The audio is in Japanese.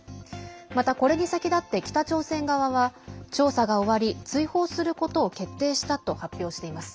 また、これに先立って北朝鮮側は調査が終わり追放することを決定したと発表しています。